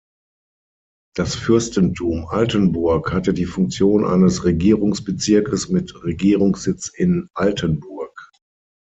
Das Fürstentum Altenburg hatte die Funktion eines Regierungsbezirkes mit Regierungssitz in Altenburg.